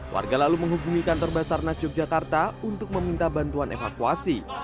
warga lalu menghubungi kantor basarnas yogyakarta untuk meminta bantuan evakuasi